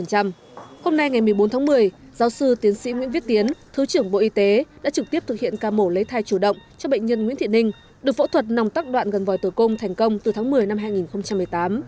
hôm nay ngày một mươi bốn tháng một mươi giáo sư tiến sĩ nguyễn viết tiến thứ trưởng bộ y tế đã trực tiếp thực hiện ca mổ lấy thai chủ động cho bệnh nhân nguyễn thị ninh được phẫu thuật nòng tắc đoạn gần vòi tử cung thành công từ tháng một mươi năm hai nghìn một mươi tám